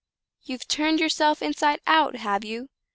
you've turned yourself inside out, have you?